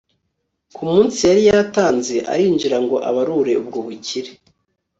ku munsi yari yatanze, arinjira ngo abarure ubwo bukire